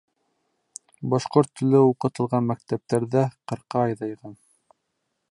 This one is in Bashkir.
Башҡорт теле уҡытылған мәктәптәр ҙә ҡырҡа аҙайған.